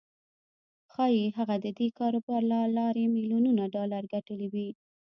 ښايي هغه د دې کاروبار له لارې ميليونونه ډالر ګټلي وي.